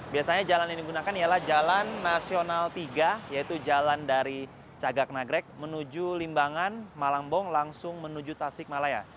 biasanya jalan yang digunakan ialah jalan nasional tiga yaitu jalan dari cagak nagrek menuju limbangan malangbong langsung menuju tasik malaya